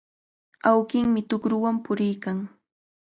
Awkinmi tukrunwan puriykan.